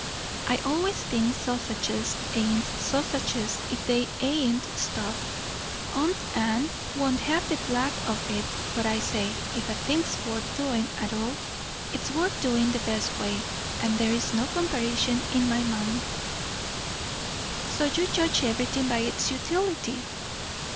"I always think sausages ain't sausages if they ain't stuffed. Aunt Anne won't have the plague of it; but I say, if a thing's worth doing at all, it's worth doing the best way; and there's no comparison in my mind." "So you judge everything by its utility."